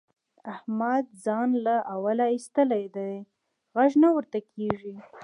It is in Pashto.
احمد ځان له اوله اېستلی دی؛ غږ نه ورته کېږي.